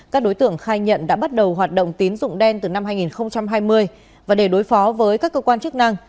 các đối tượng khai nhận đã bắt đầu hoạt động tín dụng đen từ năm hai nghìn hai mươi và để đối phó với các cơ quan chức năng